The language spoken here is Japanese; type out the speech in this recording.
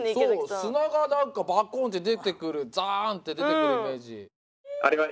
そう砂が何かバコンって出てくるザって出てくるイメージ。